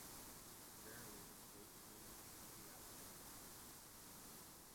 Rarely, the stapes may be completely absent.